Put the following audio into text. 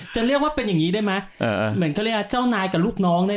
จะเล่าว่าเป็นอย่างนี้ได้มาเหมือนก็เรียกเจ้านายกันลูกน้องได้